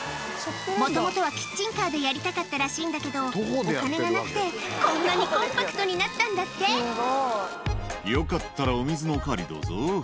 もともとはキッチンカーでやりたかったらしいんだけどお金がなくてこんなにコンパクトになったんだって「よかったらお水のお代わりどうぞ」